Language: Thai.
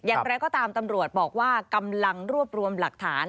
อย่างไรก็ตามตำรวจบอกว่ากำลังรวบรวมหลักฐาน